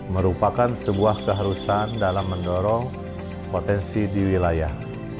merupakan sebuah keharusan dalam mendorong potensi di wilayah